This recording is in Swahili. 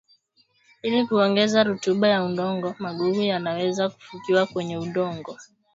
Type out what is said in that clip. ili kuongeza rutuba ya udongo magugu yanaweza fukiwa kwenye udongo